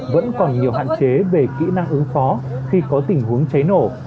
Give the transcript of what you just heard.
vẫn còn nhiều hạn chế về kỹ năng ứng phó khi có tình huống cháy nổ